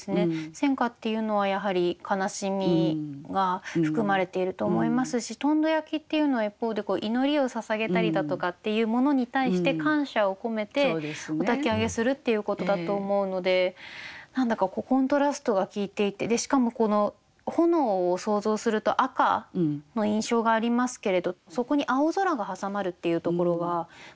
戦火っていうのはやはり悲しみが含まれていると思いますしとんど焼っていうのは一方で祈りをささげたりだとかっていうものに対して感謝を込めておたき上げするっていうことだと思うので何だかコントラストが効いていてしかもこの炎を想像すると赤の印象がありますけれどそこに青空が挟まるっていうところがまたちょっといいなと思いました。